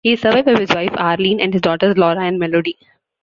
He is survived by his wife Arlene and his daughters Laura and Melodie.